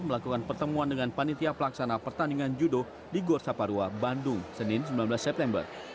melakukan pertemuan dengan panitia pelaksana pertandingan judo di gor saparua bandung senin sembilan belas september